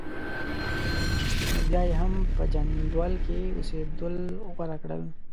نو بیا یې هم په جندول کې اوسېدل غوره کړل.